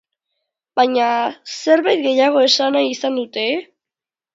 Baina, zerbait gehiago esan nahi izan dute?